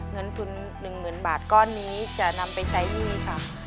เงินทุน๑หมื่นบาทก้อนนี้จะนำไปใช้ยี่ครับ